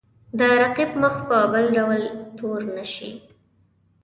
د رقیب مخ په بل ډول تور نه شي.